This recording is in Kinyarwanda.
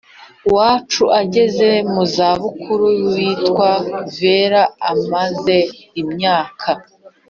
wacu ugeze mu za bukuru witwa Vera amaze imyaka